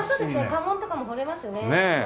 家紋とかも彫れますね。